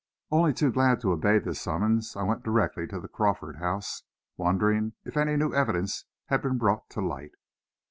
Only too glad to obey this summons, I went directly to the Crawford house, wondering if any new evidence had been brought to light.